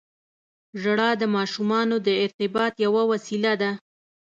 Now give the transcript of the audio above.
• ژړا د ماشومانو د ارتباط یوه وسیله ده.